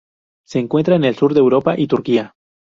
Se encuentra en el sur de Europa y Turquía.